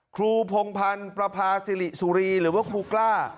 พงพันธ์ประพาสิริสุรีหรือว่าครูกล้า